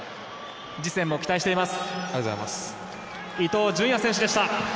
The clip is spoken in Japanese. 次戦も期待しています。